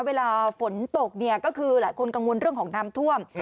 เวลาฝนตกเนี่ยก็คือหลายคนกังวลเรื่องของน้ำท่วม